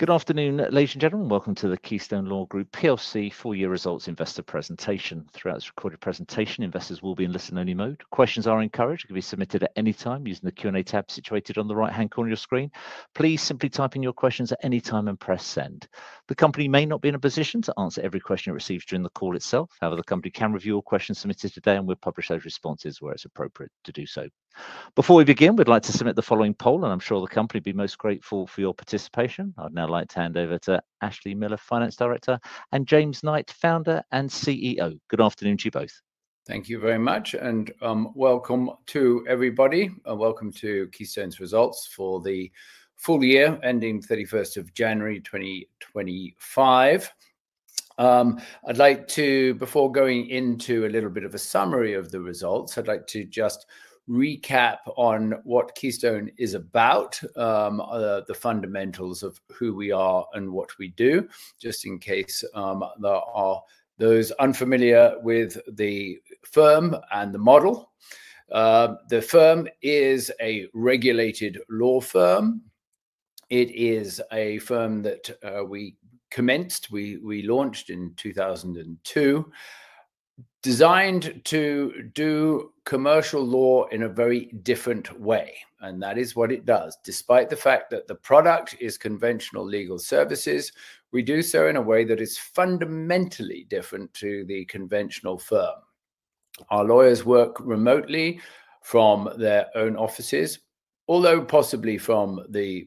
Good afternoon, ladies and gentlemen. Welcome to the Keystone Law Group four-year results investor presentation. Throughout this recorded presentation, investors will be in listen-only mode. Questions are encouraged to be submitted at any time using the Q&A tab situated on the right-hand corner of your screen. Please simply type in your questions at any time and press send. The company may not be in a position to answer every question it receives during the call itself. However, the company can review your questions submitted today, and we'll publish those responses where it's appropriate to do so. Before we begin, we'd like to submit the following poll, and I'm sure the company would be most grateful for your participation. I'd now like to hand over to Ashley Miller, Finance Director, and James Knight, Founder and CEO. Good afternoon to you both. Thank you very much, and welcome to everybody. Welcome to Keystone's results for the full year ending 31st of January 2025. I'd like to, before going into a little bit of a summary of the results, I'd like to just recap on what Keystone is about, the fundamentals of who we are and what we do, just in case there are those unfamiliar with the firm and the model. The firm is a regulated law firm. It is a firm that we commenced, we launched in 2002, designed to do commercial law in a very different way, and that is what it does. Despite the fact that the product is conventional legal services, we do so in a way that is fundamentally different to the conventional firm. Our lawyers work remotely from their own offices, although possibly from the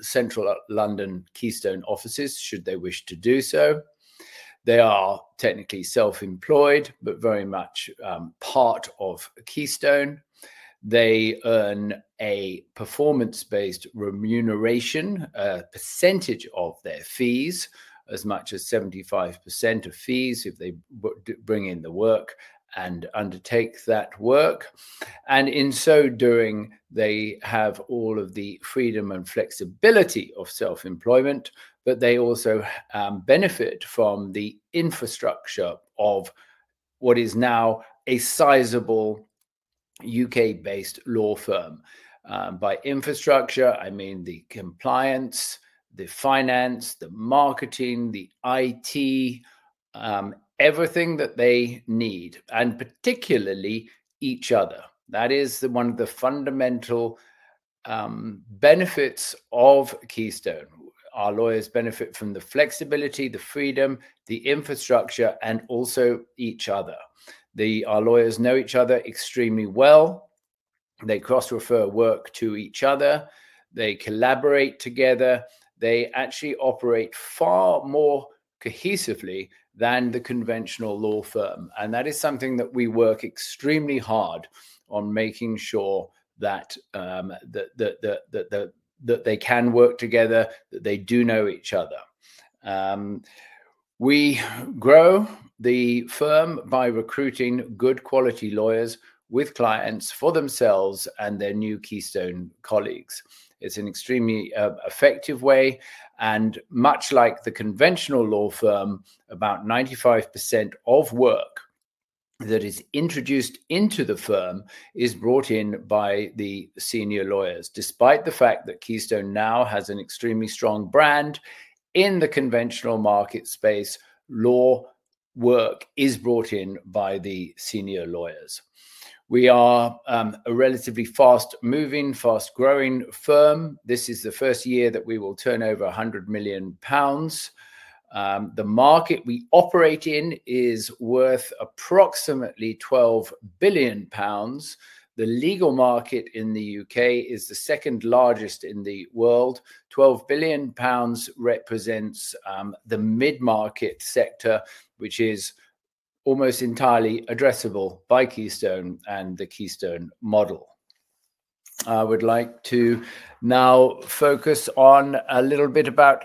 central London Keystone offices should they wish to do so. They are technically self-employed, but very much part of Keystone. They earn a performance-based remuneration, a percentage of their fees, as much as 75% of fees if they bring in the work and undertake that work. In so doing, they have all of the freedom and flexibility of self-employment, but they also benefit from the infrastructure of what is now a sizable U.K.-based law firm. By infrastructure, I mean the compliance, the finance, the marketing, the IT, everything that they need, and particularly each other. That is one of the fundamental benefits of Keystone. Our lawyers benefit from the flexibility, the freedom, the infrastructure, and also each other. Our lawyers know each other extremely well. They cross-refer work to each other. They collaborate together. They actually operate far more cohesively than the conventional law firm. That is something that we work extremely hard on making sure that they can work together, that they do know each other. We grow the firm by recruiting good quality lawyers with clients for themselves and their new Keystone colleagues. It is an extremely effective way. Much like the conventional law firm, about 95% of work that is introduced into the firm is brought in by the senior lawyers. Despite the fact that Keystone now has an extremely strong brand in the conventional market space, law work is brought in by the senior lawyers. We are a relatively fast-moving, fast-growing firm. This is the first year that we will turn over 100 million pounds. The market we operate in is worth approximately 12 billion pounds. The legal market in the U.K. is the second largest in the world. 12 billion represents the mid-market sector, which is almost entirely addressable by Keystone and the Keystone model. I would like to now focus on a little bit about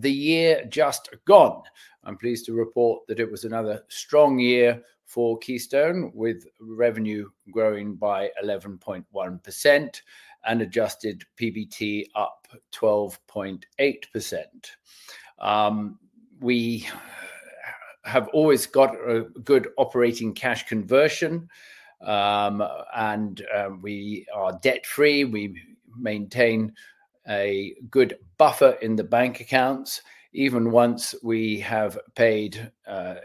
the year just gone. I'm pleased to report that it was another strong year for Keystone, with revenue growing by 11.1% and adjusted PBT up 12.8%. We have always got a good operating cash conversion, and we are debt-free. We maintain a good buffer in the bank accounts, even once we have paid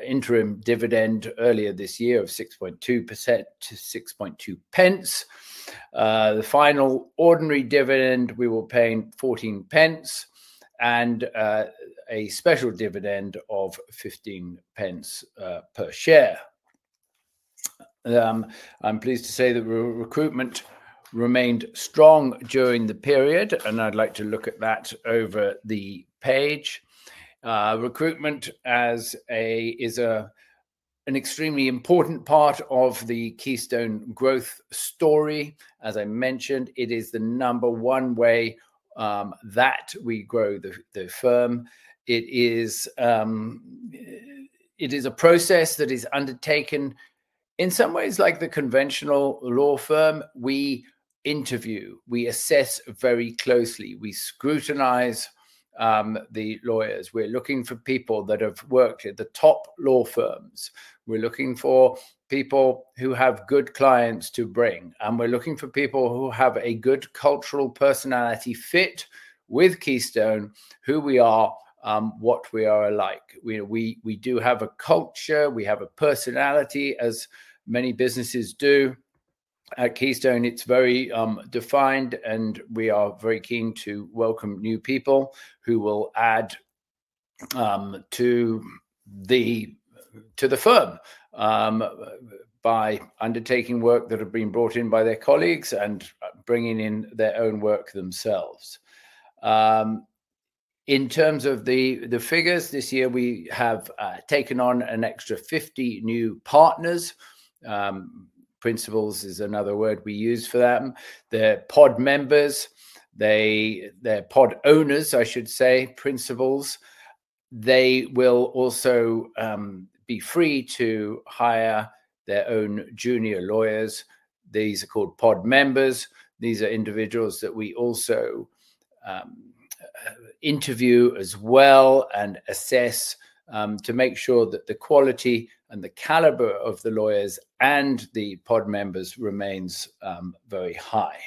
interim dividend earlier this year of 6.2% to 0.062. The final ordinary dividend we were paying 0.14 and a special dividend of 0.15 per share. I'm pleased to say that recruitment remained strong during the period, and I'd like to look at that over the page. Recruitment is an extremely important part of the Keystone growth story. As I mentioned, it is the number one way that we grow the firm. It is a process that is undertaken in some ways like the conventional law firm. We interview, we assess very closely, we scrutinize the lawyers. We're looking for people that have worked at the top law firms. We're looking for people who have good clients to bring, and we're looking for people who have a good cultural personality fit with Keystone, who we are, what we are like. We do have a culture. We have a personality, as many businesses do. At Keystone, it's very defined, and we are very keen to welcome new people who will add to the firm by undertaking work that has been brought in by their colleagues and bringing in their own work themselves. In terms of the figures, this year we have taken on an extra 50 new partners. Principals is another word we use for them. They're pod members. They're pod owners, I should say, principals. They will also be free to hire their own junior lawyers. These are called pod members. These are individuals that we also interview as well and assess to make sure that the quality and the calibre of the lawyers and the pod members remains very high.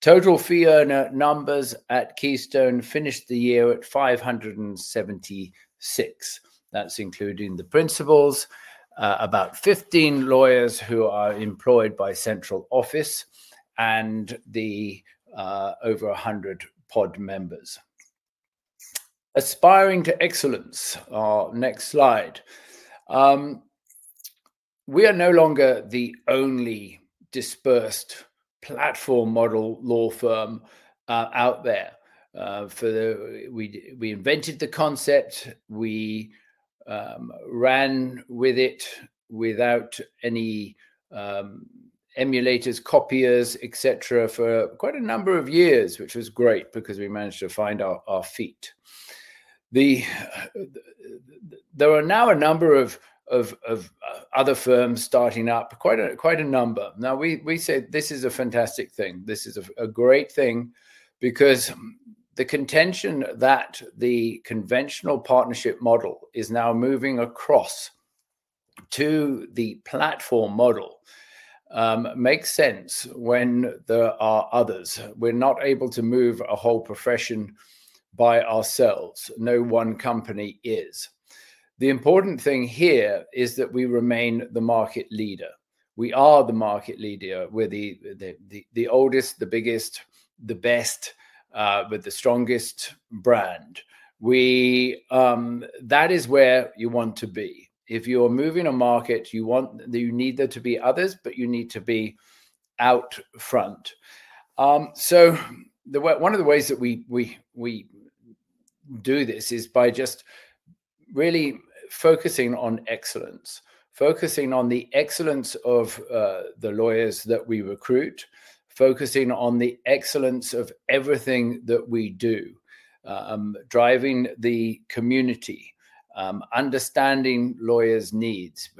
Total fee earner numbers at Keystone finished the year at 576. That's including the principals, about 15 lawyers who are employed by central office, and the over 100 pod members. Aspiring to excellence. Next slide. We are no longer the only dispersed platform model law firm out there. We invented the concept. We ran with it without any emulators, copiers, et cetera, for quite a number of years, which was great because we managed to find our feet. There are now a number of other firms starting up, quite a number. Now, we say this is a fantastic thing. This is a great thing because the contention that the conventional partnership model is now moving across to the platform model makes sense when there are others. We're not able to move a whole profession by ourselves. No one company is. The important thing here is that we remain the market leader. We are the market leader. We're the oldest, the biggest, the best, with the strongest brand. That is where you want to be. If you're moving a market, you need there to be others, but you need to be out front. One of the ways that we do this is by just really focusing on excellence, focusing on the excellence of the lawyers that we recruit, focusing on the excellence of everything that we do, driving the community, understanding lawyers' needs,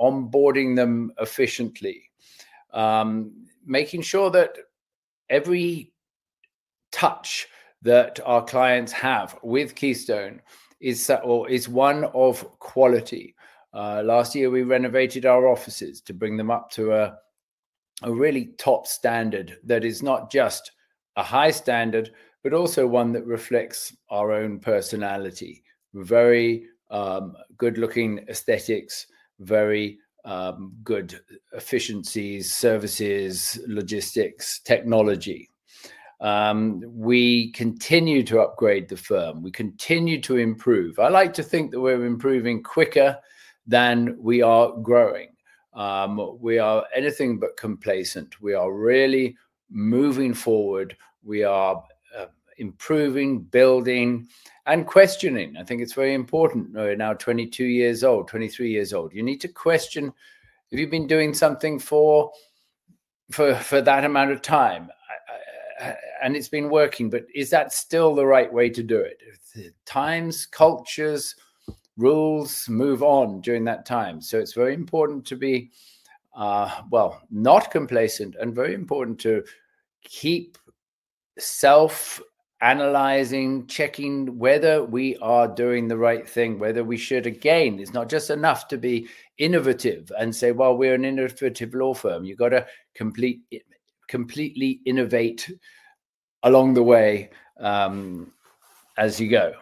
onboarding them efficiently, making sure that every touch that our clients have with Keystone is one of quality. Last year, we renovated our offices to bring them up to a really top standard that is not just a high standard, but also one that reflects our own personality. Very good-looking aesthetics, very good efficiencies, services, logistics, technology. We continue to upgrade the firm. We continue to improve. I like to think that we're improving quicker than we are growing. We are anything but complacent. We are really moving forward. We are improving, building, and questioning. I think it's very important. We're now 22 years old, 23 years old. You need to question if you've been doing something for that amount of time, and it's been working, but is that still the right way to do it? Times, cultures, rules move on during that time. It is very important to be, well, not complacent and very important to keep self-analysing, checking whether we are doing the right thing, whether we should. Again, it's not just enough to be innovative and say, "Well, we're an innovative law firm." You've got to completely innovate along the way as you go.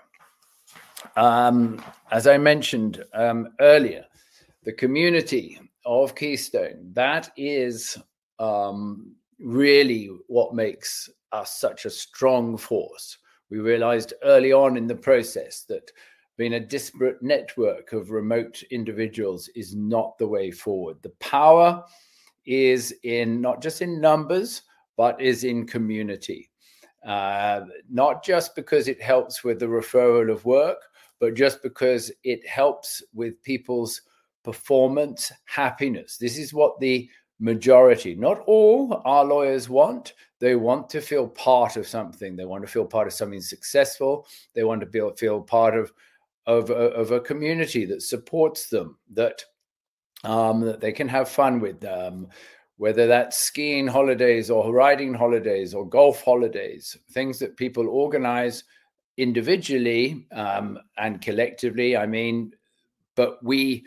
As I mentioned earlier, the community of Keystone, that is really what makes us such a strong force. We realized early on in the process that being a disparate network of remote individuals is not the way forward. The power is not just in numbers, but is in community. Not just because it helps with the referral of work, but just because it helps with people's performance happiness. This is what the majority, not all, our lawyers want. They want to feel part of something. They want to feel part of something successful. They want to feel part of a community that supports them, that they can have fun with them, whether that's skiing holidays or riding holidays or golf holidays, things that people organize individually and collectively. I mean, we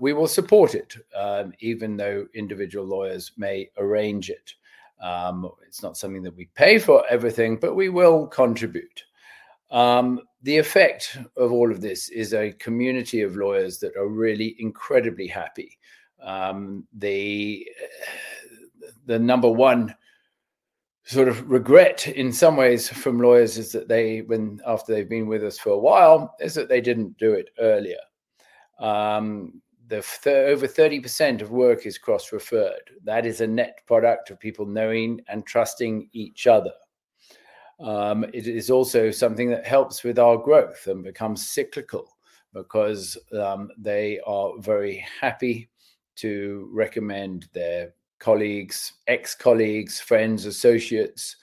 will support it, even though individual lawyers may arrange it. It's not something that we pay for everything, but we will contribute. The effect of all of this is a community of lawyers that are really incredibly happy. The number one sort of regret in some ways from lawyers is that they, after they've been with us for a while, is that they didn't do it earlier. Over 30% of work is cross-referred. That is a net product of people knowing and trusting each other. It is also something that helps with our growth and becomes cyclical because they are very happy to recommend their colleagues, ex-colleagues, friends, associates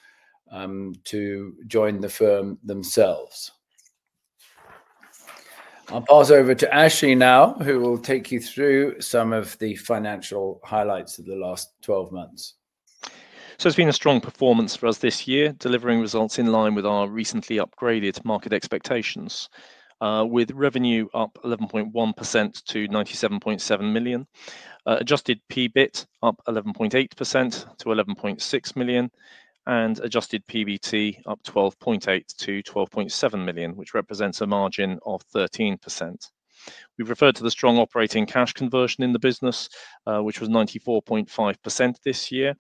to join the firm themselves. I'll pass over to Ashley now, who will take you through some of the financial highlights of the last 12 months. It has been a strong performance for us this year, delivering results in line with our recently upgraded market expectations, with revenue up 11.1% to 97.7 million, adjusted PBT up 11.8% to 11.6 million, and adjusted PBT up 12.8% to 12.7 million, which represents a margin of 13%. We have referred to the strong operating cash conversion in the business, which was 94.5% this year.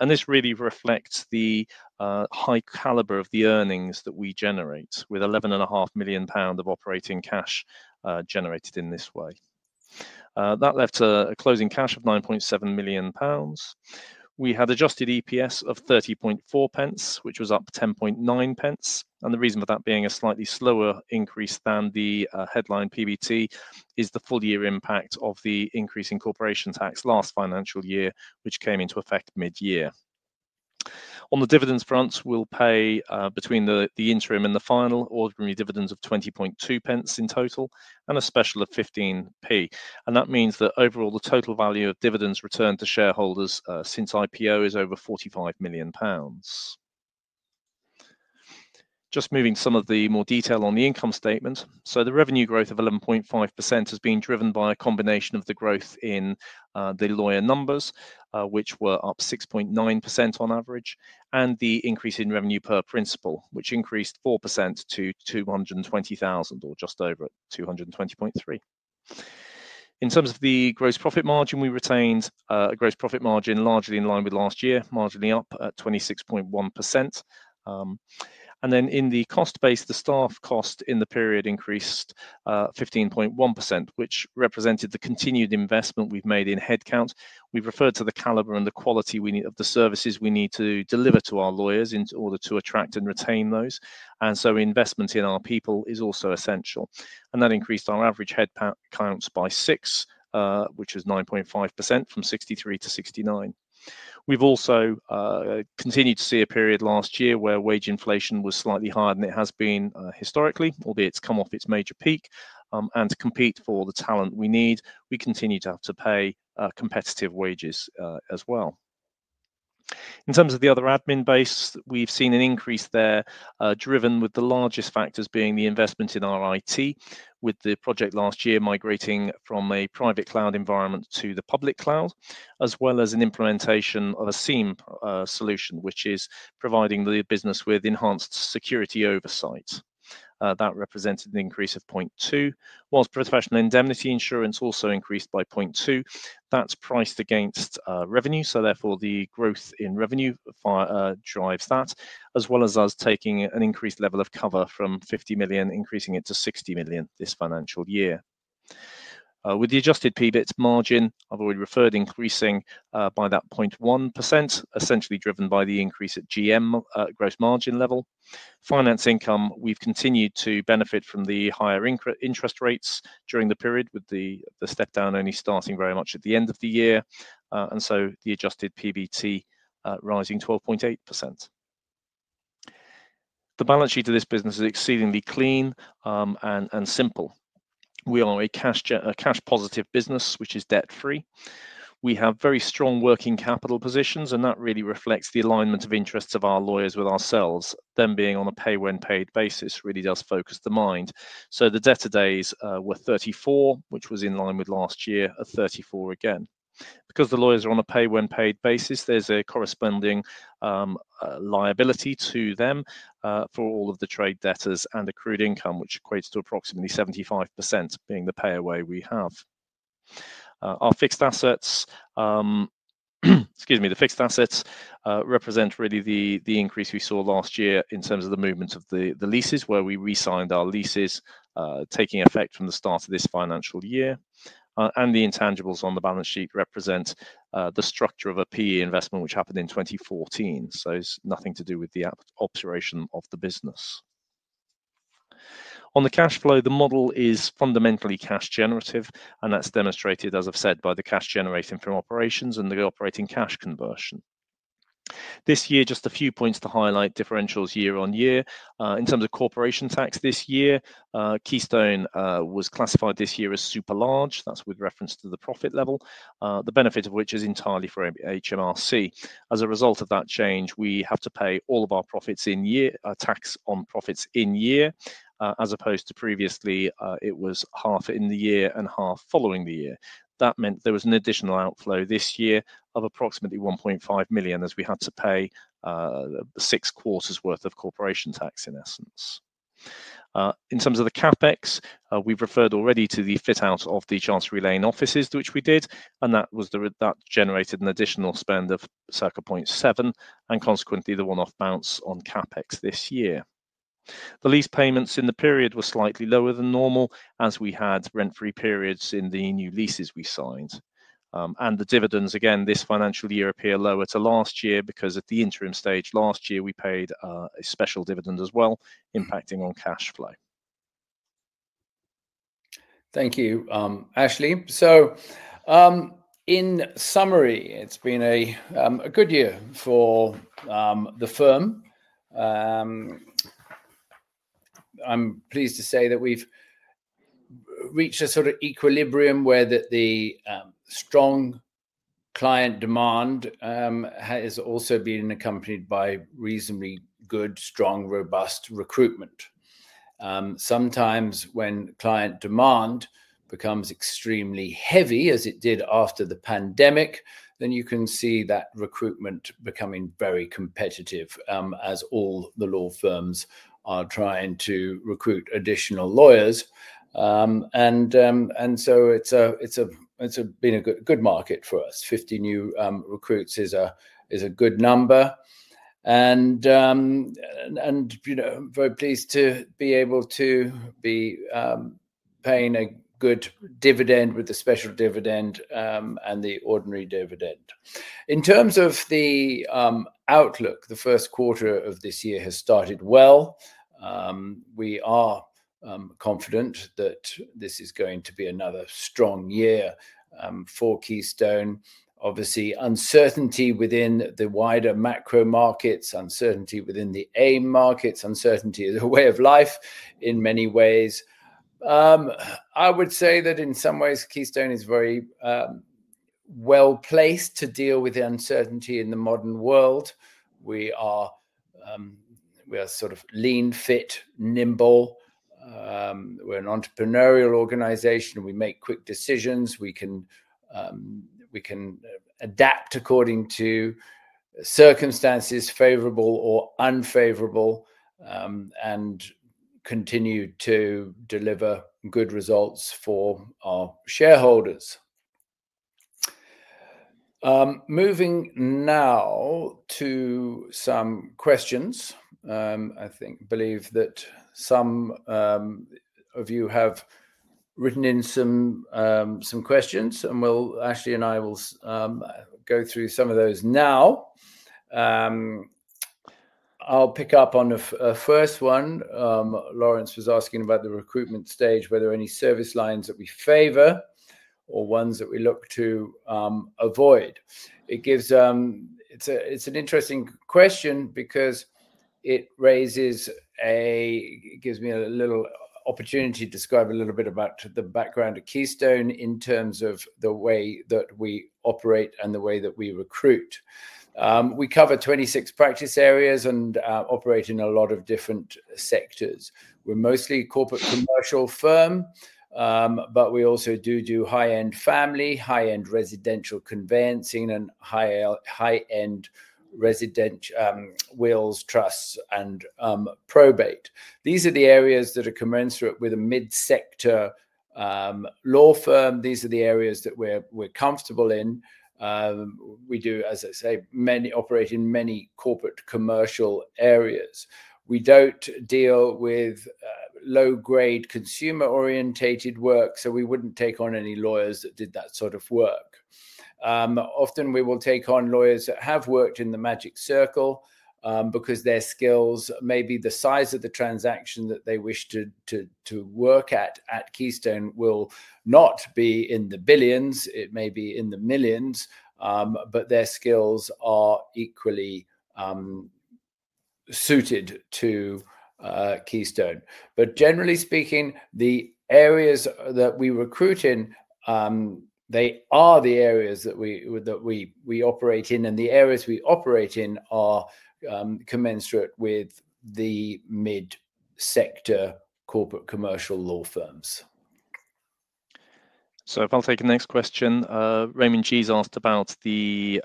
This really reflects the high calibre of the earnings that we generate with 11.5 million pounds of operating cash generated in this way. That left a closing cash of 9.7 million pounds. We had adjusted EPS of 30.4 pence, which was up 10.9 pence. The reason for that being a slightly slower increase than the headline PBT is the full year impact of the increase in corporation tax last financial year, which came into effect mid-year. On the dividends front, we will pay between the interim and the final ordinary dividends of 20.2 pence in total and a special of 15 pence. That means that overall, the total value of dividends returned to shareholders since IPO is over 45 million pounds. Just moving to some of the more detail on the income statement. The revenue growth of 11.5% has been driven by a combination of the growth in the lawyer numbers, which were up 6.9% on average, and the increase in revenue per principal, which increased 4% to 220,000 or just over 220,300. In terms of the gross profit margin, we retained a gross profit margin largely in line with last year, marginally up at 26.1%. In the cost base, the staff cost in the period increased 15.1%, which represented the continued investment we have made in headcount. We have referred to the calibre and the quality of the services we need to deliver to our lawyers in order to attract and retain those. Investment in our people is also essential. That increased our average headcount by six, which was 9.5% from 63 to 69. We've also continued to see a period last year where wage inflation was slightly higher than it has been historically, albeit it's come off its major peak. To compete for the talent we need, we continue to have to pay competitive wages as well. In terms of the other admin base, we've seen an increase there driven with the largest factors being the investment in our IT, with the project last year migrating from a private cloud environment to the public cloud, as well as an implementation of a SIEM solution, which is providing the business with enhanced security oversight. That represented an increase of 0.2, whilst professional indemnity insurance also increased by 0.2. That's priced against revenue. Therefore, the growth in revenue drives that, as well as us taking an increased level of cover from 50 million, increasing it to 60 million this financial year. With the adjusted PBT margin, I've already referred increasing by that 0.1%, essentially driven by the increase at GM gross margin level. Finance income, we've continued to benefit from the higher interest rates during the period, with the step-down only starting very much at the end of the year. The adjusted PBT rising 12.8%. The balance sheet of this business is exceedingly clean and simple. We are a cash-positive business, which is debt-free. We have very strong working capital positions, and that really reflects the alignment of interests of our lawyers with ourselves. Them being on a pay-when-paid basis really does focus the mind. The debt today was 34,000, which was in line with last year, 34,000 again. Because the lawyers are on a pay-when-paid basis, there's a corresponding liability to them for all of the trade debtors and accrued income, which equates to approximately 75% being the payaway we have. Our fixed assets, excuse me, the fixed assets represent really the increase we saw last year in terms of the movement of the leases, where we re-signed our leases taking effect from the start of this financial year. The intangibles on the balance sheet represent the structure of a P/E investment, which happened in 2014. It is nothing to do with the operation of the business. On the cash flow, the model is fundamentally cash-generative, and that's demonstrated, as I've said, by the cash generating from operations and the operating cash conversion. This year, just a few points to highlight differentials year on year. In terms of corporation tax this year, Keystone was classified this year as super large. That's with reference to the profit level, the benefit of which is entirely for HMRC. As a result of that change, we have to pay all of our tax on profits in year, as opposed to previously, it was half in the year and half following the year. That meant there was an additional outflow this year of approximately 1.5 million as we had to pay six quarters' worth of corporation tax, in essence. In terms of the CapEx, we've referred already to the fit-out of the Chancery Lane offices, which we did, and that generated an additional spend of circa 0.7 million and consequently the one-off bounce on CapEx this year. The lease payments in the period were slightly lower than normal as we had rent-free periods in the new leases we signed. The dividends, again, this financial year appear lower to last year because at the interim stage last year, we paid a special dividend as well, impacting on cash flow. Thank you, Ashley. In summary, it's been a good year for the firm. I'm pleased to say that we've reached a sort of equilibrium where the strong client demand has also been accompanied by reasonably good, strong, robust recruitment. Sometimes when client demand becomes extremely heavy, as it did after the pandemic, you can see that recruitment becoming very competitive as all the law firms are trying to recruit additional lawyers. It's been a good market for us. 50 new recruits is a good number. I'm very pleased to be able to be paying a good dividend with the special dividend and the ordinary dividend. In terms of the outlook, the first quarter of this year has started well. We are confident that this is going to be another strong year for Keystone. Obviously, uncertainty within the wider macro markets, uncertainty within the AIM markets, uncertainty in the way of life in many ways. I would say that in some ways, Keystone is very well placed to deal with the uncertainty in the modern world. We are sort of lean, fit, nimble. We're an entrepreneurial organization. We make quick decisions. We can adapt according to circumstances, favorable or unfavorable, and continue to deliver good results for our shareholders. Moving now to some questions. I believe that some of you have written in some questions, and Ashley and I will go through some of those now. I'll pick up on a first one. Lawrence was asking about the recruitment stage, whether any service lines that we favor or ones that we look to avoid. It's an interesting question because it gives me a little opportunity to describe a little bit about the background of Keystone in terms of the way that we operate and the way that we recruit. We cover 26 practice areas and operate in a lot of different sectors. We're mostly a corporate commercial firm, but we also do high-end family, high-end residential conveyancing, and high-end residential wills, trusts, and probate. These are the areas that are commensurate with a mid-sector law firm. These are the areas that we're comfortable in. We do, as I say, operate in many corporate commercial areas. We don't deal with low-grade consumer-orientated work, so we wouldn't take on any lawyers that did that sort of work. Often, we will take on lawyers that have worked in the magic circle because their skills may be the size of the transaction that they wish to work at. At Keystone, it will not be in the billions. It may be in the millions, but their skills are equally suited to Keystone. Generally speaking, the areas that we recruit in, they are the areas that we operate in, and the areas we operate in are commensurate with the mid-sector corporate commercial law firms. If I'll take the next question. Raymond G's asked about the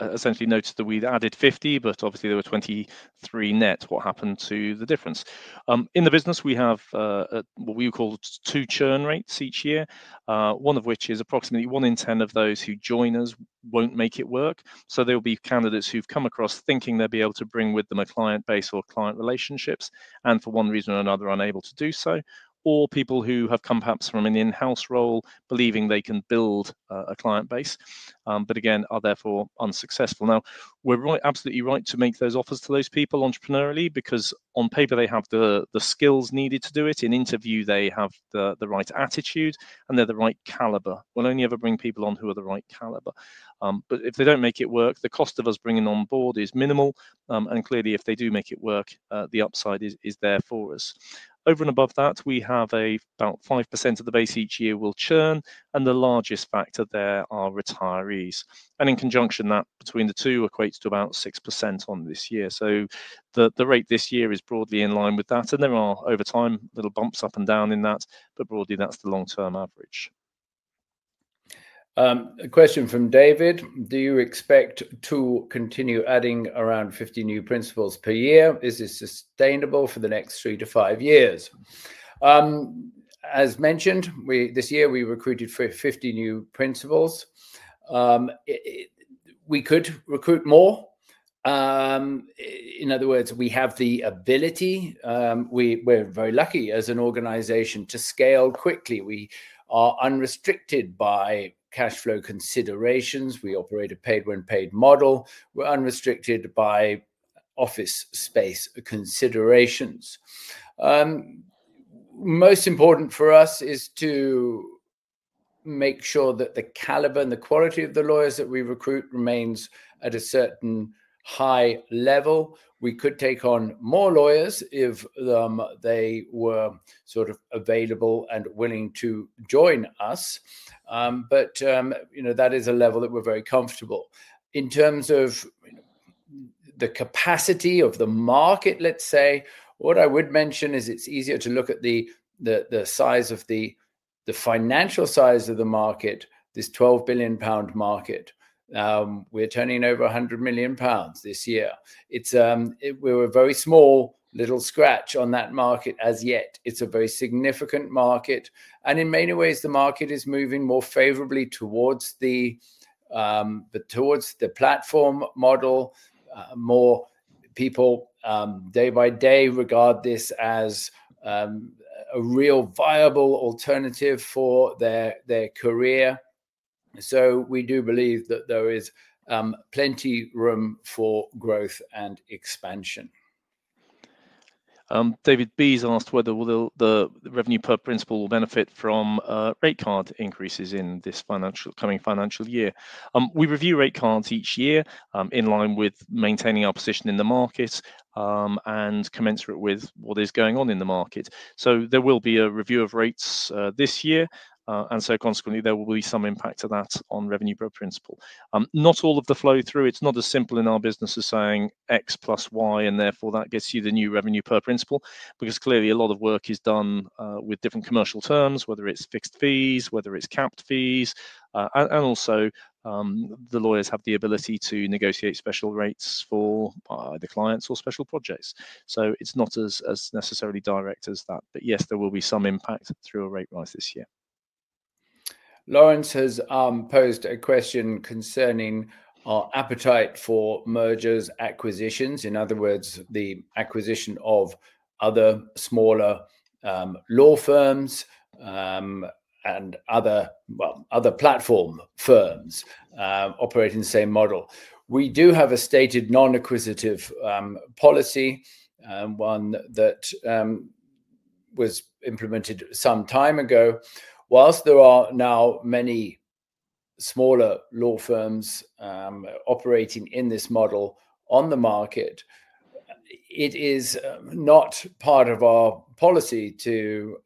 essentially noticed that we'd added 50, but obviously there were 23 net. What happened to the difference? In the business, we have what we call two churn rates each year, one of which is approximately 1 in 10 of those who join us won't make it work. There will be candidates who've come across thinking they'll be able to bring with them a client base or client relationships and, for one reason or another, unable to do so, or people who have come perhaps from an in-house role believing they can build a client base, but again, are therefore unsuccessful. Now, we're absolutely right to make those offers to those people entrepreneurially because on paper, they have the skills needed to do it. In interview, they have the right attitude, and they're the right calibre. We'll only ever bring people on who are the right calibre. If they don't make it work, the cost of us bringing on board is minimal. Clearly, if they do make it work, the upside is there for us. Over and above that, we have about 5% of the base each year will churn, and the largest factor there are retirees. In conjunction, that between the two equates to about 6% on this year. The rate this year is broadly in line with that. There are, over time, little bumps up and down in that, but broadly, that's the long-term average. A question from David. Do you expect to continue adding around 50 new principals per year? Is this sustainable for the next three to five years? As mentioned, this year, we recruited 50 new principals. We could recruit more. In other words, we have the ability. We're very lucky as an organization to scale quickly. We are unrestricted by cash flow considerations. We operate a pay-when-paid model. We're unrestricted by office space considerations. Most important for us is to make sure that the calibre and the quality of the lawyers that we recruit remains at a certain high level. We could take on more lawyers if they were sort of available and willing to join us. That is a level that we're very comfortable. In terms of the capacity of the market, let's say, what I would mention is it's easier to look at the size of the financial size of the market, this 12 billion pound market. We're turning over 100 million pounds this year. We're a very small little scratch on that market as yet. It's a very significant market. In many ways, the market is moving more favourably towards the platform model. More people, day by day, regard this as a real viable alternative for their career. We do believe that there is plenty room for growth and expansion. David B's asked whether the revenue per principal will benefit from rate card increases in this coming financial year. We review rate cards each year in line with maintaining our position in the markets and commensurate with what is going on in the market. There will be a review of rates this year. Consequently, there will be some impact of that on revenue per principal. Not all of the flow through. It is not as simple in our business as saying X plus Y, and therefore, that gets you the new revenue per principal because clearly, a lot of work is done with different commercial terms, whether it is fixed fees, whether it is capped fees. Also, the lawyers have the ability to negotiate special rates for either clients or special projects. It is not as necessarily direct as that. Yes, there will be some impact through a rate rise this year. Lawrence has posed a question concerning our appetite for mergers, acquisitions. In other words, the acquisition of other smaller law firms and other platform firms operating the same model. We do have a stated non-acquisitive policy, one that was implemented some time ago. Whilst there are now many smaller law firms operating in this model on the market, it is not part of our policy to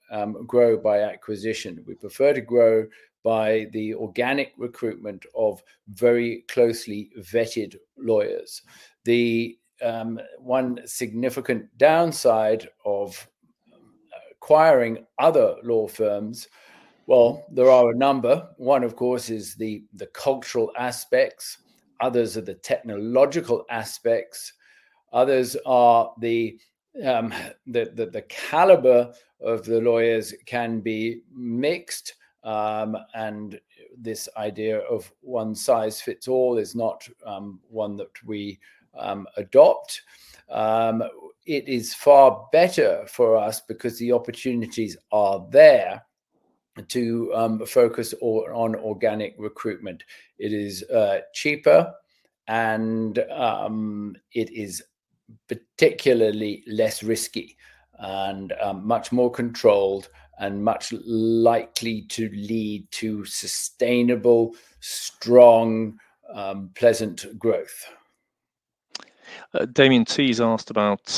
grow by acquisition. We prefer to grow by the organic recruitment of very closely vetted lawyers. The one significant downside of acquiring other law firms, well, there are a number. One, of course, is the cultural aspects. Others are the technological aspects. Others are the calibre of the lawyers can be mixed. This idea of one size fits all is not one that we adopt. It is far better for us because the opportunities are there to focus on organic recruitment. It is cheaper, and it is particularly less risky and much more controlled and much likely to lead to sustainable, strong, pleasant growth. Damien T's asked about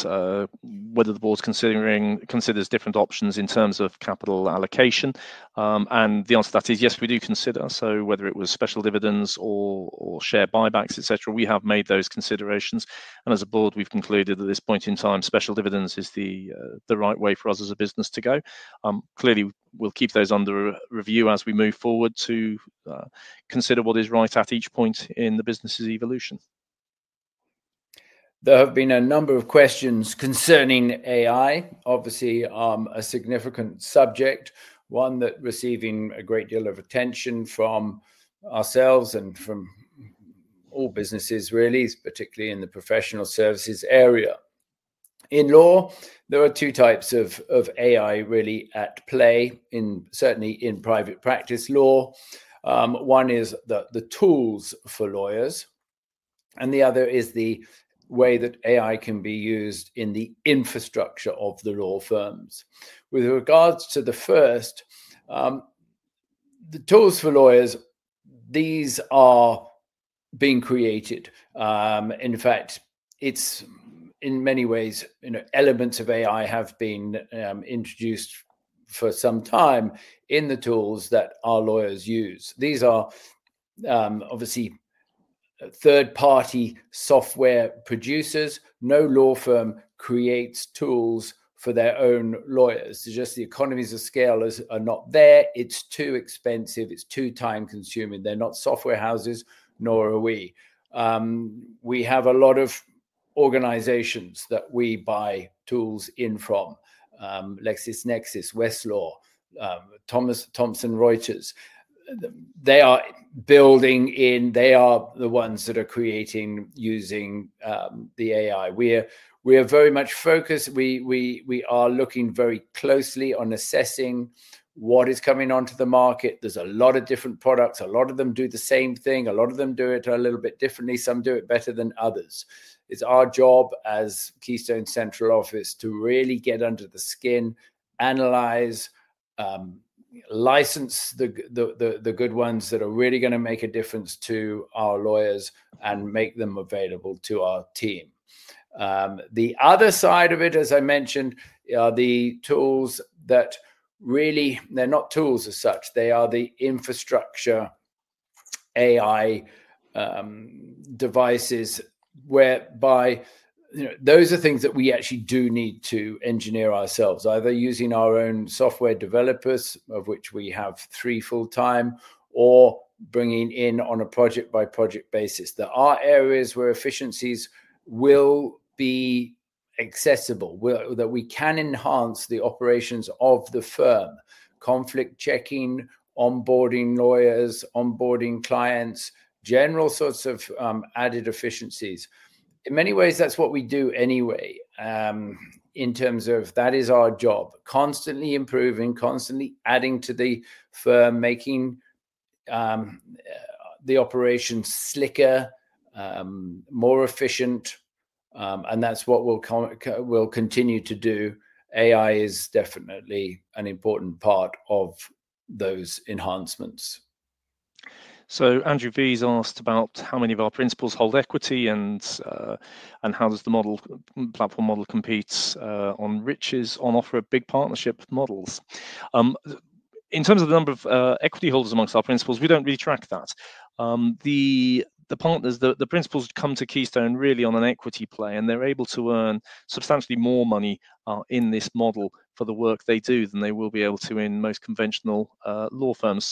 whether the board considers different options in terms of capital allocation. The answer to that is yes, we do consider. Whether it was special dividends or share buybacks, etc., we have made those considerations. As a board, we've concluded at this point in time, special dividends is the right way for us as a business to go. Clearly, we'll keep those under review as we move forward to consider what is right at each point in the business's evolution. There have been a number of questions concerning AI, obviously a significant subject, one that is receiving a great deal of attention from ourselves and from all businesses, really, particularly in the professional services area. In law, there are two types of AI really at play, certainly in private practice law. One is the tools for lawyers, and the other is the way that AI can be used in the infrastructure of the law firms. With regards to the first, the tools for lawyers, these are being created. In fact, in many ways, elements of AI have been introduced for some time in the tools that our lawyers use. These are obviously third-party software producers. No law firm creates tools for their own lawyers. Just the economies of scale are not there. It's too expensive. It's too time-consuming. They're not software houses, nor are we. We have a lot of organizations that we buy tools in from: LexisNexis, Westlaw, Thomson Reuters. They are building in. They are the ones that are creating using the AI. We are very much focused. We are looking very closely on assessing what is coming onto the market. There are a lot of different products. A lot of them do the same thing. A lot of them do it a little bit differently. Some do it better than others. It is our job as Keystone Central Office to really get under the skin, analyze, license the good ones that are really going to make a difference to our lawyers and make them available to our team. The other side of it, as I mentioned, are the tools that really they are not tools as such. They are the infrastructure AI devices whereby those are things that we actually do need to engineer ourselves, either using our own software developers, of which we have three full-time, or bringing in on a project-by-project basis. There are areas where efficiencies will be accessible, that we can enhance the operations of the firm: conflict checking, onboarding lawyers, onboarding clients, general sorts of added efficiencies. In many ways, that's what we do anyway in terms of that is our job: constantly improving, constantly adding to the firm, making the operation slicker, more efficient. That's what we'll continue to do. AI is definitely an important part of those enhancements. Andrew V's asked about how many of our principals hold equity and how does the platform model compete on riches on offer a big partnership models. In terms of the number of equity holders amongst our principals, we do not really track that. The principals come to Keystone really on an equity play, and they are able to earn substantially more money in this model for the work they do than they will be able to in most conventional law firms.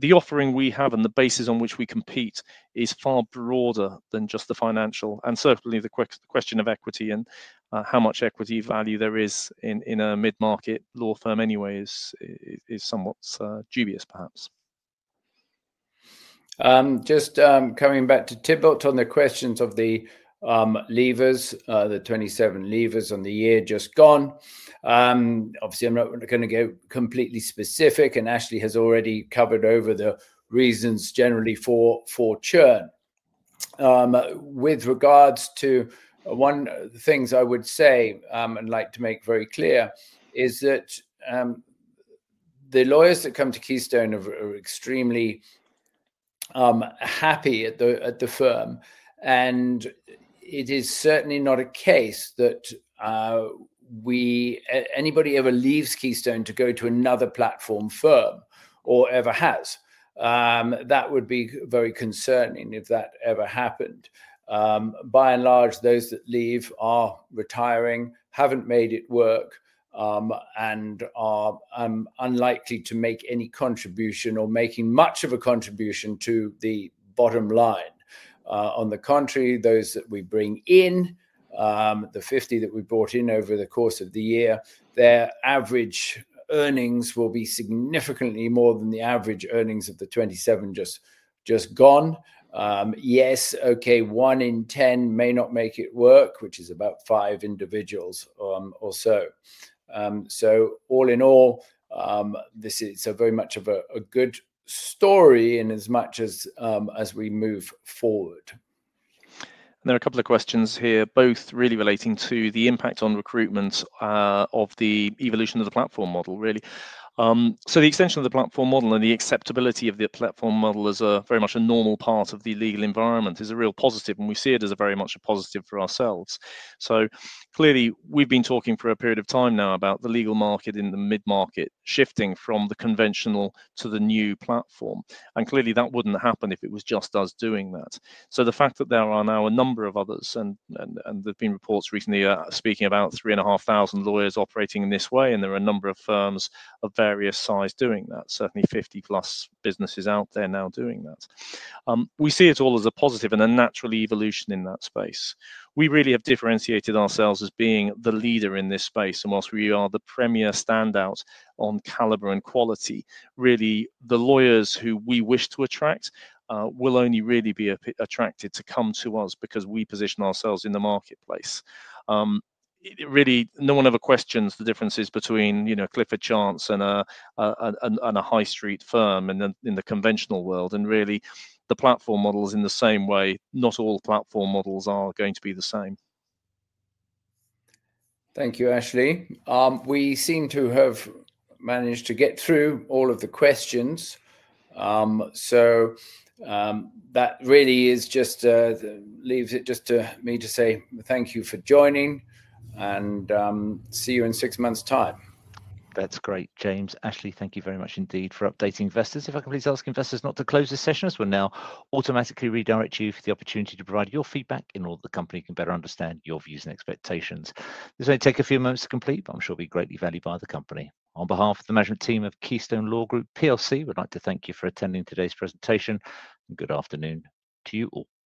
The offering we have and the basis on which we compete is far broader than just the financial. Certainly, the question of equity and how much equity value there is in a mid-market law firm anyway is somewhat dubious, perhaps. Just coming back to Tibbott on the questions of the leavers, the 27 leavers on the year just gone. Obviously, I am not going to get completely specific, and Ashley has already covered over the reasons generally for churn. With regards to one of the things I would say and like to make very clear is that the lawyers that come to Keystone are extremely happy at the firm. It is certainly not a case that anybody ever leaves Keystone to go to another platform firm or ever has. That would be very concerning if that ever happened. By and large, those that leave are retiring, have not made it work, and are unlikely to make any contribution or making much of a contribution to the bottom line. On the contrary, those that we bring in, the 50 that we brought in over the course of the year, their average earnings will be significantly more than the average earnings of the 27 just gone. Yes, okay, one in 10 may not make it work, which is about five individuals or so. All in all, this is very much of a good story in as much as we move forward. There are a couple of questions here, both really relating to the impact on recruitment of the evolution of the platform model, really. The extension of the platform model and the acceptability of the platform model as very much a normal part of the legal environment is a real positive, and we see it as very much a positive for ourselves. Clearly, we've been talking for a period of time now about the legal market in the mid-market shifting from the conventional to the new platform. Clearly, that wouldn't happen if it was just us doing that. The fact that there are now a number of others, and there have been reports recently speaking about three and a half thousand lawyers operating in this way, and there are a number of firms of various size doing that, certainly 50-plus businesses out there now doing that. We see it all as a positive and a natural evolution in that space. We really have differentiated ourselves as being the leader in this space. Whilst we are the premier standout on calibre and quality, really, the lawyers who we wish to attract will only really be attracted to come to us because we position ourselves in the marketplace. Really, no one ever questions the differences between a Clifford Chance and a high-street firm in the conventional world. Really, the platform model is in the same way. Not all platform models are going to be the same. Thank you, Ashley. We seem to have managed to get through all of the questions. That really leaves it just to me to say thank you for joining and see you in six months' time. That is great, James. Ashley, thank you very much indeed for updating investors. If I can please ask investors not to close the session, as we will now automatically redirect you for the opportunity to provide your feedback in order that the company can better understand your views and expectations. This may take a few moments to complete, but I am sure it will be greatly valued by the company. On behalf of the management team of Keystone Law Group, we would like to thank you for attending today's presentation. Good afternoon to you all.